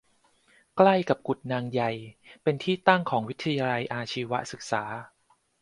ใกล้กับกุดนางใยเป็นที่ตั้งของวิทยาลัยอาชีวศึกษา